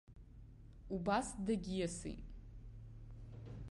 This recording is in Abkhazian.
Убас дагьиасит.